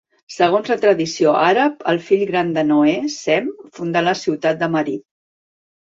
Segons la tradició àrab, el fill gran de Noè, Sem, fundà la ciutat de Ma'rib.